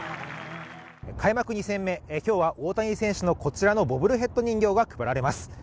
開幕２戦目、今日は大谷選手のこちらのボブルヘッド人形が配られます。